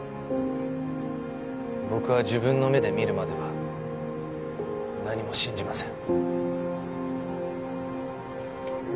僕は自分の目で見るまでは何も信じません。